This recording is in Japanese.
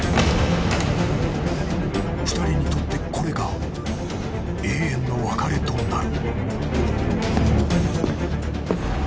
［２人にとってこれが永遠の別れとなる］